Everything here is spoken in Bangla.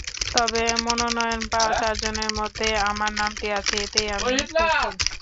তবে মনোনয়ন পাওয়া চারজনের মধ্যে আমার নামটি আছে, এতেই আমি খুশি।